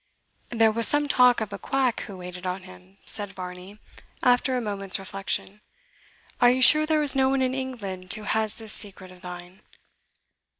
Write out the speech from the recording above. "There was some talk of a quack who waited on him," said Varney, after a moment's reflection. "Are you sure there is no one in England who has this secret of thine?"